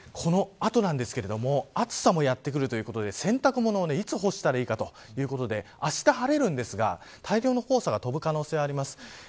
この後ですが暑さもやってくるということで洗濯物をいつ干したらいいかということであしたは晴れますが大量の黄砂が飛ぶ可能性があります。